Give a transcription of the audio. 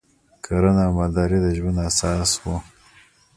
کرنه او مالداري د ژوند اساس و